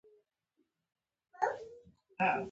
مقاومت د جریان سرعت کموي.